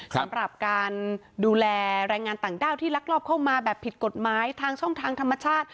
สำหรับการดูแลแรงงานต่างด้าวที่ลักลอบเข้ามาแบบผิดกฎหมายทางช่องทางธรรมชาติ